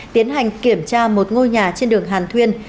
tiến hành kiểm tra một ngôi nhà trên đường hàn thuyên